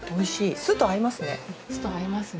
酢と合いますね。